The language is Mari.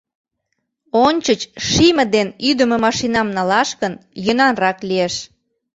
Ончыч шийме ден ӱдымӧ машинам налаш гын, йӧнанрак лиеш.